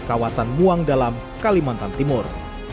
kawasan muang dalam kalimantan timur